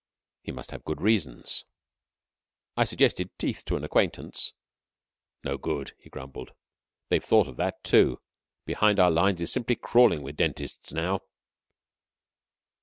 He must have good reasons. I suggested teeth to an acquaintance. "No good," he grumbled. "They've thought of that, too. Behind our lines is simply crawling with dentists now!"